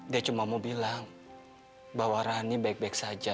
dia cuma mau bilang bahwa rani baik baik saja